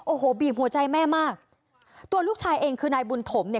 โอ้โหบีบหัวใจแม่มากตัวลูกชายเองคือนายบุญถมเนี่ย